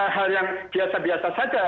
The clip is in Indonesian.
hal yang biasa biasa saja